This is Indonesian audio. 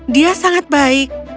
dia sangat baik